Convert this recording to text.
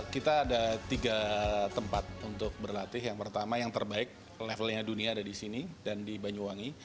kita ada tiga tempat untuk berlatih yang pertama yang terbaik levelnya dunia ada di sini dan di banyuwangi